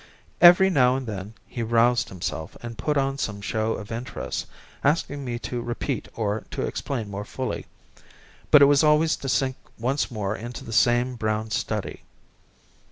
Every now and then he roused himself and put on some show of interest, asking me to repeat or to explain more fully, but it was always to sink once more into the same brown study.